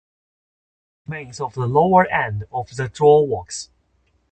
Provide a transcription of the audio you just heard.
Nothing remains of the lower end of the draw works.